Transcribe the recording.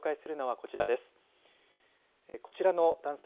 こちらの男性